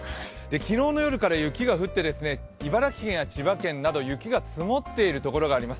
昨日の夜から雪が降って茨城県や千葉県など雪が積もっている所があります。